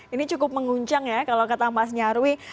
ini cukup menguncang ya kalau kata mas nyarwi